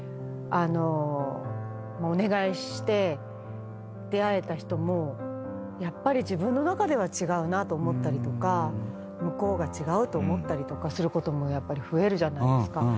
あのお願いして出会えた人もやっぱり自分の中では違うなと思ったりとか向こうが違うと思ったりとかすること増えるじゃないですか。